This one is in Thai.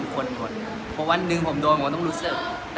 อย่างเวลาเราส่งเมสเซจ